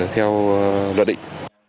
theo luật định